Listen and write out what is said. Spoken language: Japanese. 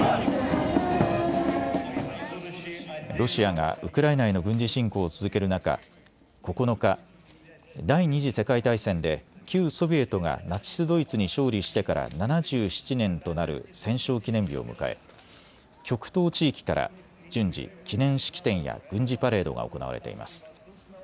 ロシアがウクライナへの軍事侵攻を続ける中、９日、第２次世界大戦で旧ソビエトがナチス・ドイツに勝利してから７７年となる戦勝記念日を迎え極東地域から順次、記念式典や軍事パレードが行われています。